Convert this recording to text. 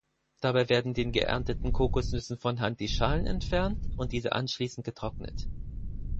Dabei werden den geernteten Kokosnüssen von Hand die Schalen entfernt und diese anschließend getrocknet.